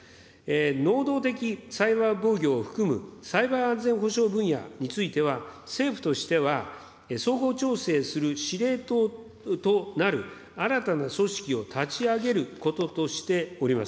能動的サイバー防御を含むサイバー安全保障分野については、政府としては総合調整する司令塔となる新たな組織を立ち上げることとしております。